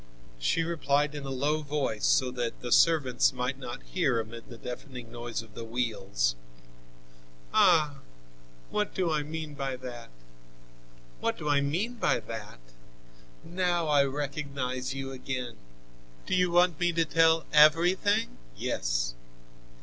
She replied in a low voice, so that the servants might not hear amid the deafening noise of the wheels: "Ah! What do I mean by that? What do I mean by that? Now I recognize you again! Do you want me to tell everything?" "Yes."